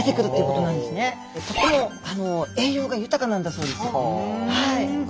とても栄養が豊かなんだそうです。